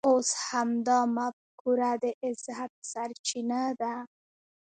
اوس همدا مفکوره د عزت سرچینه ده.